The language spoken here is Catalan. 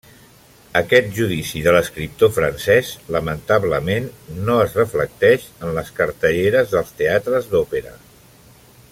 Aquest judici de l'escriptor francès, lamentablement, no es reflecteix en les cartelleres dels teatres d'òpera.